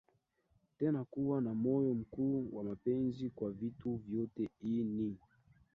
tena kuwa na moyo mkuu wa mapenzi kwa vitu vyote Hii ni